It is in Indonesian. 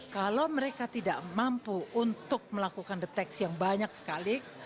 kalau mereka tidak mampu untuk melakukan deteksi yang banyak sekali